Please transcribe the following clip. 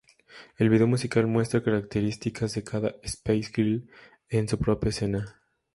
El vídeo musical muestra características de cada Spice Girl en su propia escena.